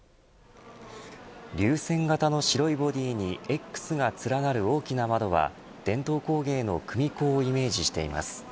流線型の白いボディーにＸが連なる大きな窓は伝統工芸の組子をイメージしています。